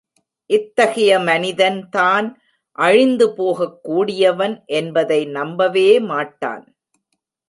இத்தகைய மனிதன் தான் அழிந்து போகக் கூடியவன் என்பதை நம்பவே மாட்டான்.